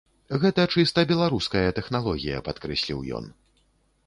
Гэта чыста беларуская тэхналогія, падкрэсліў ён.